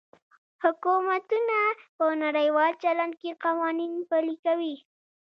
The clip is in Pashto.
حکومتونه په نړیوال چلند کې قوانین پلي کوي